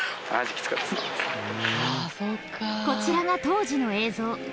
こちらが当時の映像